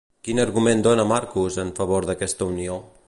Quin argument dona Marcos en favor d'aquesta unió?